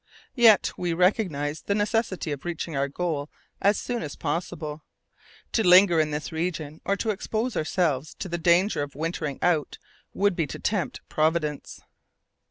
Yet we recognized the necessity of reaching our goal as soon as possible. To linger in this region or to expose ourselves to the danger of wintering out would be to tempt Providence!